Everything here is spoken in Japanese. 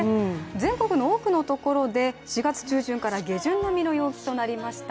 全国の多くの所で４月中旬から下旬並みの陽気となりました。